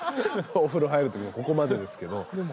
お風呂入る時はここまでですけど。